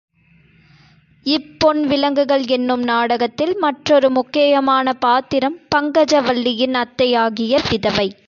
இப் பொன் விலங்குகள் என்னும் நாடகத்தில், மற் றொரு முக்கியமான பாத்திரம் பங்கஜவல்லியின் அத்தையாகிய விதவை.